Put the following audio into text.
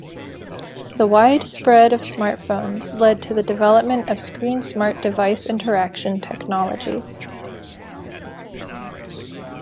The wide spread of smartphones lead to the development of screen-smart device interaction technologies.